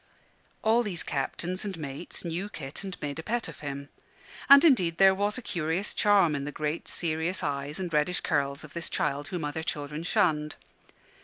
All these captains and mates knew Kit and made a pet of him: and indeed there was a curious charm in the great serious eyes and reddish curls of this child whom other children shunned.